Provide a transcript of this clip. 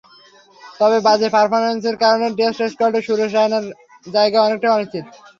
তবে বাজে পারফরম্যান্সের কারণে টেস্ট স্কোয়াডে সুরেশ রায়নার জায়গা অনেকটাই অনিশ্চিত।